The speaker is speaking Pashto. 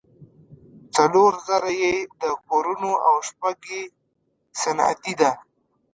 څلور زره یې د کورونو او شپږ یې صنعتي ده.